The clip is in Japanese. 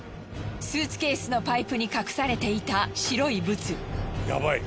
スーツケースのパイプに隠されていた白いブツ。